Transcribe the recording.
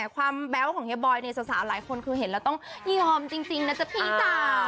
ความแบบของเฮียบอยในศาสาหร่ายคนคือเห็นแล้วต้องยอมจริงนะจ๊ะพี่จ๋า